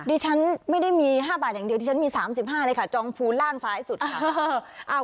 ดิฉันไม่ได้มีห้าบาทอย่างเดียวดิฉันมีสามสิบห้าเลยค่ะจองภูล่างซ้ายสุดค่ะ